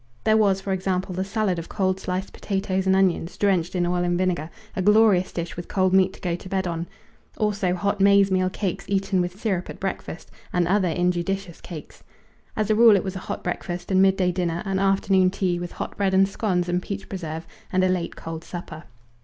There was, for example, the salad of cold sliced potatoes and onions, drenched in oil and vinegar, a glorious dish with cold meat to go to bed on! Also hot maize meal cakes eaten with syrup at breakfast, and other injudicious cakes. As a rule it was a hot breakfast and midday dinner; an afternoon tea, with hot bread and scones and peach preserve, and a late cold supper.